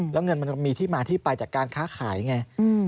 แล้วเงินมันมีที่มาที่ไปจากการค้าขายไง